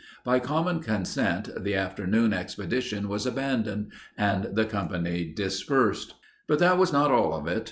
By common consent the afternoon's expedition was abandoned and the company dispersed. But that was not all of it.